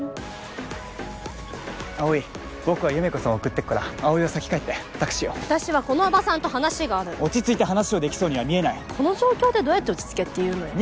僕は優芽子さんを送ってくから葵は先帰ってタクシーを私はこのおばさんと話がある落ち着いて話をできそうには見えないこの状況でどうやって落ち着けっていうのよ